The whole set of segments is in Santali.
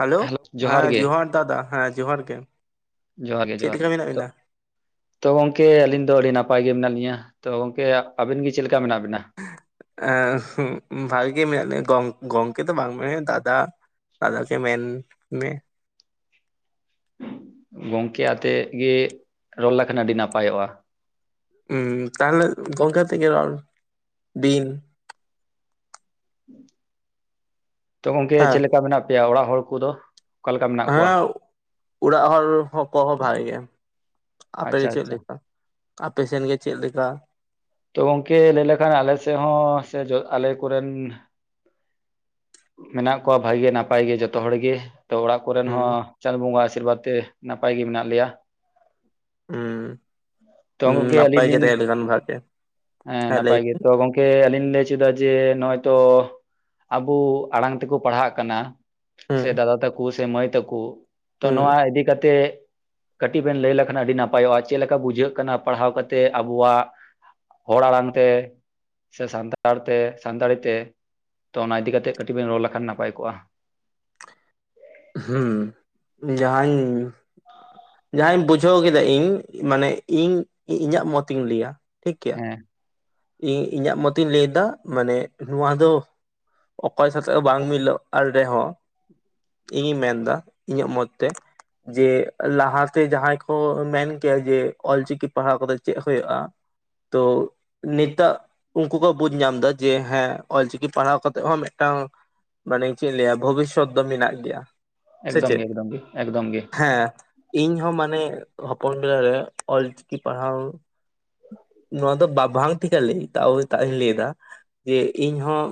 ᱦᱮᱞᱳ ᱦᱮᱸ ᱡᱚᱦᱟᱨ ᱫᱟᱫᱟ ᱦᱮᱸ ᱡᱚᱦᱟᱨ ᱜᱮ ᱡᱚᱦᱟᱨ ᱜᱮ ᱪᱮᱫ ᱡᱚᱦᱟᱨ ᱞᱮᱠᱟ ᱢᱮᱱᱟᱜ ᱜᱮ ᱵᱤᱱᱟ? ᱛᱚ ᱜᱚᱝᱠᱮ ᱟᱹᱞᱤᱧ ᱫᱚ ᱟᱹᱰᱤ ᱱᱟᱯᱟᱭ ᱜᱮ ᱢᱮᱱᱟᱜ ᱞᱤᱧᱟᱹ ᱛᱚ ᱜᱚᱝᱠᱮ ᱟᱵᱤᱱ ᱜᱮ ᱪᱮᱫ ᱞᱮᱠᱟ ᱢᱮᱱᱟᱜ ᱵᱮᱱᱟ ᱵᱷᱟᱜᱮ ᱜᱮ ᱢᱮᱱᱟᱜ ᱞᱤᱧᱟ ᱜᱝ ᱜᱚᱝᱠᱮ ᱫᱚ ᱵᱟᱝ ᱢᱮᱱ ᱦᱩᱭᱩᱜᱼᱟ ᱫᱟᱫᱟ [unintelligible] ᱜᱚᱝᱠᱮ ᱟᱛᱮᱫ ᱜᱮ ᱨᱚᱲ ᱞᱮᱠᱷᱟᱱ ᱟᱹᱰᱤ ᱱᱟᱯᱟᱭᱚᱜᱼᱟ ᱦᱮᱸ ᱛᱟᱦᱞᱮ ᱜᱚᱝᱠᱮ ᱟᱛᱮᱫ ᱜᱮ ᱨᱚᱲ ᱵᱤᱱᱼᱼ ᱛᱚ ᱜᱚᱝᱠᱮ ᱦᱮᱸ ᱪᱮᱫ ᱞᱮᱠᱟ ᱢᱮᱱᱟᱜ ᱯᱮᱭᱟ ᱚᱲᱟᱜ ᱦᱚᱲ ᱠᱚ ᱫᱚ ᱦᱮᱸ ᱚᱲᱟᱜ ᱦᱚᱲ ᱦᱚᱸ ᱠᱚ ᱵᱷᱟᱜᱮ ᱜᱮᱭᱟ ᱟᱯᱮ ᱟᱪᱪᱷᱟ ᱜᱮ ᱪᱮᱫ ᱟᱪᱪᱷᱟ ᱞᱮᱠᱟ ᱟᱯᱮ ᱥᱮᱱ ᱜᱮ ᱪᱮᱫ ᱞᱮᱠᱟᱼᱼ ᱛᱚ ᱜᱚᱝᱠᱮ ᱞᱟᱹᱭ ᱞᱮᱠᱷᱟᱱ ᱟᱞᱮ ᱥᱮᱫ ᱦᱚᱸ ᱥᱮ ᱟᱞᱮ ᱠᱚᱨᱮᱱ ᱢᱮᱱᱟᱜ ᱠᱚᱣᱟ ᱵᱷᱟᱜᱮ ᱜᱮ ᱱᱟᱯᱟᱭ ᱜᱮ ᱡᱚᱛᱚ ᱦᱚᱲ ᱜᱮ ᱛᱚ ᱚᱲᱟᱜ ᱠᱚᱨᱮᱱ ᱦᱩᱸ ᱦᱚᱸ ᱪᱟᱸᱫᱚ ᱵᱚᱸᱜᱟ ᱟᱥᱤᱨᱵᱟᱫᱽ ᱛᱮ ᱱᱟᱯᱟᱭ ᱜᱮ ᱢᱮᱱᱟᱜ ᱞᱮᱭᱟ ᱦᱩᱸ ᱛᱚ ᱦᱩᱸ ᱜᱚᱝᱠᱮ ᱟᱹᱞᱤᱧ ᱱᱟᱯᱟᱭ ᱜᱮ ᱞᱤᱧ ᱛᱟᱦᱮᱸ ᱞᱮᱠᱷᱟᱱ ᱵᱷᱟᱜᱮ ᱦᱮᱸ ᱱᱟᱯᱟᱭ ᱜᱮᱛᱚ ᱜᱚᱝᱠᱮ ᱜᱚᱝᱠᱮ ᱟᱹᱞᱤᱧ ᱞᱤᱧ ᱞᱟᱹᱭ ᱦᱚᱪᱚᱭᱫᱟ ᱡᱮ ᱱᱚᱜᱼᱚᱭ ᱛᱚ ᱟᱵᱚ ᱟᱲᱟᱝ ᱛᱮᱠᱚ ᱯᱟᱲᱦᱟᱜ ᱠᱟᱱᱟ ᱦᱩᱸ ᱥᱮ ᱫᱟᱫᱟ ᱛᱟᱠᱚ ᱥᱮ ᱢᱟᱹᱭ ᱛᱟᱠᱚ ᱛᱚ ᱦᱩᱸ ᱱᱚᱣᱟ ᱤᱫᱤ ᱠᱟᱛᱮᱜ ᱠᱟᱹᱴᱤᱡ ᱵᱮᱱ ᱞᱟᱹᱭ ᱞᱮᱠᱷᱟᱱ ᱟᱹᱰᱤ ᱱᱟᱯᱟᱭᱚᱜᱼᱟ ᱪᱮᱫ ᱞᱮᱠᱟ ᱵᱩᱡᱷᱟᱹᱜ ᱠᱟᱱᱟ ᱯᱟᱲᱦᱟᱣ ᱠᱟᱛᱮ ᱟᱵᱚᱣᱟᱜᱼᱼ ᱦᱚᱲ ᱟᱲᱟᱝ ᱛᱮ ᱥᱮ ᱥᱟᱱᱛᱟᱲ ᱛᱮ ᱥᱟᱱᱛᱟᱲᱤ ᱛᱮ ᱛᱚ ᱚᱱᱟ ᱤᱫᱤ ᱠᱟᱛᱮᱜ ᱠᱟᱹᱴᱤᱡ ᱵᱮᱱ ᱨᱚᱲ ᱞᱮᱠᱷᱟᱱ ᱱᱟᱯᱟᱭ ᱠᱚᱜᱼᱟ᱾ ᱦᱮᱸ ᱡᱟᱦᱟᱧ ᱡᱟᱦᱟᱸᱧ ᱵᱩᱡᱷᱟᱹᱣ ᱠᱮᱫᱟ ᱤᱧ ᱢᱟᱱᱮ ᱤᱧ ᱤᱧᱟᱹᱜ ᱢᱚᱛ ᱤᱧ ᱞᱟᱹᱭᱟ ᱴᱷᱤᱠ? ᱜᱮᱭᱟ ᱦᱮᱸ ᱤᱧ ᱤᱧᱟᱹᱜ ᱢᱚᱛᱤᱧ ᱞᱟᱹᱭᱫᱟ ᱢᱟᱱᱮ ᱱᱚᱣᱟ ᱫᱚ ᱚᱠᱚᱭ ᱥᱟᱛᱮᱜ ᱦᱚᱸ ᱵᱟᱝ ᱢᱤᱞᱟᱹᱜ ᱟᱨ ᱨᱮᱦᱚᱸ ᱤᱧᱤᱧ ᱢᱮᱱᱫᱟ ᱤᱧᱟᱜ ᱢᱚᱛ ᱛᱮ ᱡᱮ ᱞᱟᱦᱟ ᱛᱮ ᱡᱟᱦᱟᱸᱭ ᱠᱚ ᱢᱮᱱ ᱠᱮᱭᱟ ᱡᱮ ᱚᱞᱪᱤᱠᱤ ᱯᱟᱲᱦᱟᱣ ᱠᱟᱛᱮ ᱪᱮᱫ ᱦᱩᱭᱩᱜᱼᱟ ᱛᱚ ᱱᱤᱛᱚᱜ ᱩᱱᱠᱩ ᱠᱚ ᱵᱩᱡ ᱧᱟᱢ ᱫᱟ ᱡᱮ ᱦᱮᱸ ᱚᱞᱪᱤᱠᱤ ᱯᱟᱲᱦᱟᱣ ᱠᱟᱛᱮᱜ ᱦᱚᱸ ᱢᱤᱫᱴᱟᱝ ᱢᱟᱱᱮ ᱪᱮᱫ ᱤᱧ ᱞᱟᱹᱭᱟ ᱵᱷᱚᱵᱤᱥᱥᱚᱛ ᱫᱚ ᱢᱮᱱᱟᱜ ᱜᱮᱭᱟ᱾ ᱥᱮ ᱮᱠᱫᱚᱢ ᱪᱮᱫ ᱜᱮ ᱮᱠᱫᱚᱢ ᱜᱮ ᱮᱠᱫᱚᱢ ᱜᱮ᱾ ᱦᱮᱸ ᱤᱧ ᱦᱚᱸ ᱢᱟᱱᱮ ᱦᱚᱯᱚᱱ ᱵᱮᱞᱟ ᱨᱮ ᱚᱞᱪᱤᱠᱤ ᱯᱟᱲᱦᱟᱣ ᱱᱚᱣᱟ ᱫᱚ ᱵᱟᱵᱟᱝ [unintelligible] ᱞᱟᱹᱭ ᱛᱟᱣ ᱛᱟᱣ ᱤᱧ ᱞᱟᱹᱭ ᱮᱫᱟ ᱡᱮ ᱤᱧ ᱦᱚᱸ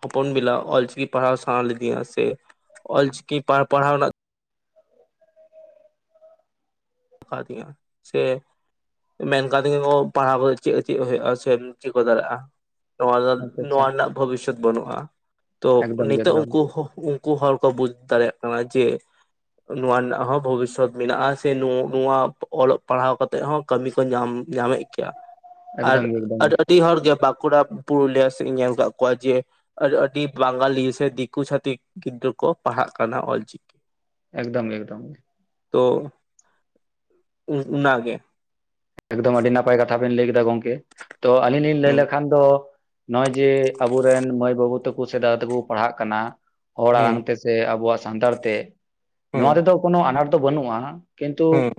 ᱦᱚᱯᱚᱱ ᱵᱮᱞᱟ ᱚᱞᱪᱤᱠᱤ ᱯᱟᱲᱦᱟᱣ ᱥᱟᱱᱟ ᱞᱤᱫᱤᱧᱟ ᱥᱮ ᱚᱞᱪᱤᱠᱤ ᱯᱟᱲᱦᱟᱣ ᱯᱟᱲᱦᱟᱣ ᱨᱮᱱᱟᱜ ᱠᱷᱟᱫᱤᱭᱟ ᱥᱮ ᱢᱮᱱ ᱠᱟᱫᱤᱧᱟ ᱠᱚ ᱯᱟᱲᱦᱟᱣ ᱠᱟᱛᱮᱫ ᱪᱮᱫ ᱪᱮᱫ ᱦᱩᱭᱩᱜᱼᱟ ᱥᱮᱢ ᱪᱮᱫ ᱠᱚ ᱫᱟᱲᱮᱭᱟᱜᱼᱟ᱾ ᱱᱚᱣᱟ ᱫᱚ ᱟᱪᱪᱷᱟ ᱟᱪᱪᱷᱟ ᱱᱚᱣᱟ ᱨᱮᱱᱟᱜ ᱵᱷᱚᱵᱤᱥᱥᱚᱛ ᱵᱟᱹᱱᱩᱜᱼᱟ ᱛᱚ ᱮᱠᱫᱚᱢ ᱜᱮ ᱱᱤᱛᱚᱜ ᱮᱠᱫᱚᱢ ᱩᱱᱠᱩ ᱩᱱᱠᱩ ᱩᱱᱠᱩ ᱦᱚᱲ ᱠᱚ ᱵᱩᱡ ᱫᱟᱲᱮᱭᱟᱜ ᱠᱟᱱᱟ ᱡᱮ ᱱᱚᱣᱟ ᱨᱮᱱᱟᱜ ᱦᱚᱸ ᱵᱷᱚᱵᱤᱥᱥᱚᱛ ᱢᱮᱱᱟᱜᱼᱟ ᱥᱮ [unintelligible] ᱱᱚᱣᱟ ᱚᱞᱚᱜ ᱯᱟᱲᱦᱟᱣ ᱠᱟᱛᱮᱫ ᱦᱚᱸ ᱠᱟᱹᱢᱤ ᱠᱚ ᱧᱟᱢ ᱧᱟᱢᱮᱫ ᱜᱮᱭᱟ᱾ ᱟᱨ ᱮᱠᱫᱚᱢ ᱜᱮ ᱮᱠᱫᱚᱢ ᱜᱮ ᱟᱹᱰᱤ ᱦᱚᱲ ᱜᱮ ᱵᱟᱸᱠᱩᱲᱟ ᱯᱩᱨᱩᱞᱤᱭᱟᱹ ᱥᱮᱫ ᱤᱧ ᱧᱮᱞ ᱟᱠᱟᱫ ᱠᱚᱣᱟ ᱡᱮ ᱟᱹᱰᱤ ᱟᱹᱰᱤ ᱵᱟᱝᱜᱟᱞᱤ ᱥᱮ ᱫᱤᱠᱩ ᱪᱷᱟᱛᱤᱠ ᱜᱤᱫᱽᱨᱟᱹ ᱠᱚ ᱯᱟᱲᱦᱟᱜ ᱠᱟᱱᱟ ᱚᱞᱪᱤᱠᱤ᱾ ᱮᱠᱫᱚᱢ ᱮᱠᱫᱚᱢ ᱜᱮ ᱛᱚ ᱩᱱ ᱩᱱᱟ ᱜᱮᱼ ᱮᱠᱫᱚᱢ ᱟᱹᱰᱤ ᱱᱟᱯᱟᱭ ᱠᱟᱛᱷᱟ ᱵᱤᱱ ᱞᱟᱹᱭ ᱠᱮᱫᱟ ᱜᱚᱢᱠᱮ ᱛᱚ ᱟᱹᱞᱤᱧ ᱞᱤᱧ ᱞᱟᱹᱭ ᱦᱮᱸ ᱞᱮᱠᱷᱟᱱ ᱫᱚ ᱱᱚᱜᱼᱚᱭ ᱡᱮ ᱟᱵᱚ ᱨᱮᱱ ᱢᱟᱹᱭ ᱵᱟᱹᱵᱩ ᱛᱟᱠᱚ ᱥᱮ ᱫᱟᱫᱟ ᱛᱟᱠᱩ ᱠᱚ ᱯᱟᱲᱦᱟᱜ ᱠᱟᱱᱟ ᱦᱚᱲ ᱟᱲᱟᱝ ᱦᱮᱸ ᱛᱮ ᱥᱮ ᱟᱵᱚᱣᱟᱜ ᱥᱟᱱᱛᱟᱲ ᱛᱮ ᱱᱚᱣᱟ ᱛᱮ ᱦᱮᱸ ᱫᱚ ᱠᱳᱱᱳ ᱟᱱᱟᱴ ᱫᱚ ᱵᱟᱹᱱᱩᱜᱼᱟ ᱠᱤᱱᱛᱩ ᱦᱮᱸ ᱦᱮᱸ